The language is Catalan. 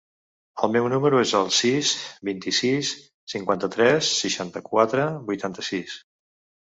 El meu número es el sis, vint-i-sis, cinquanta-tres, seixanta-quatre, vuitanta-sis.